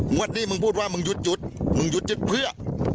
งวดนี้มึงพูดว่ามึงหยุดหยุดมึงหยุดหยุดเพื่อ